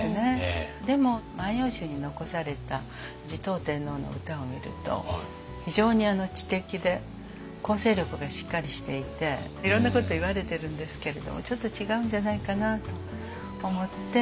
でも「万葉集」に残された持統天皇の歌を見ると非常に知的で構成力がしっかりしていていろんなこと言われてるんですけれどもちょっと違うんじゃないかなと思って。